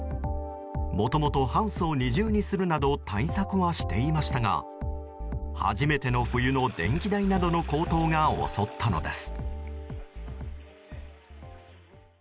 もともとハウスを二重にするなど対策はしていましたが初めての冬の電気代などの高騰が襲ったのです。